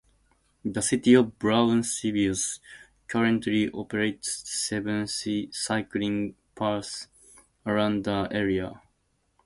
The city of Brownsville currently operates seven cycling paths around the area.